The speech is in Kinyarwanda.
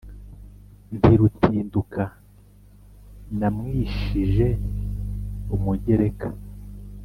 Nti ; Rutinduka namwishije umugereka